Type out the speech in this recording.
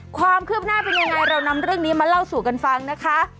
ความคืบหน้าเป็นยังไงเรานำเรื่องนี้มาเล่าสู่กันฟังนะคะ